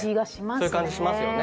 そういう感じしますよね。